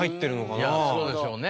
いやそうでしょうね。